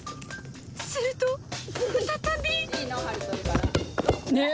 すると再び。